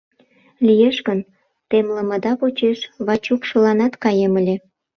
Лиеш гын, темлымыда почеш Вачукшыланат каем ыле.